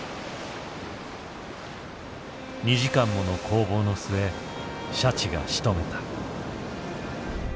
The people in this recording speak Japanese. ２時間もの攻防の末シャチがしとめた。